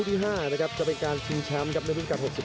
และหมดยกที่สองครับ